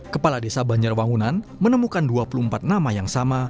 kepala desa banjar bangunan menemukan dua puluh empat nama yang sama